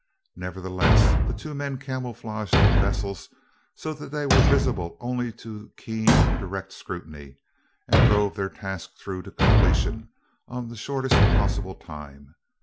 Nevertheless, the two men camouflaged the vessels so that they were visible only to keen and direct scrutiny, and drove their task through to completion on the shortest possible time.